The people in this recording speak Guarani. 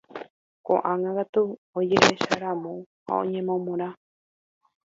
Ko'ág̃a katu ojehecharamo ha oñemomorã.